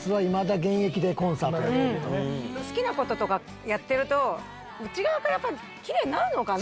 好きな事とかやってると内側からやっぱきれいになるのかな？